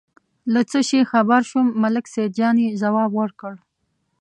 له څه شي خبر شوم، ملک سیدجان یې ځواب ورکړ.